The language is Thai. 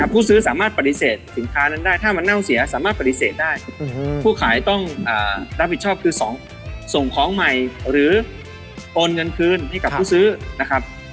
ผู้ซื้อสามารถปฏิเสธสินค้านั้นได้ถ้ามันเน่าเสียสามารถปฏิเสธได้ผู้ขายต้องรับผิดชอบคือส่งของใหม่หรือโอนเงินคืนให้กับผู้ซื้อนะครับ